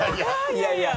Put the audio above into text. いやいや。